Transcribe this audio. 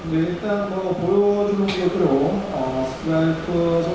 kita akan mencetak gol di liga satu bersama timnas indonesia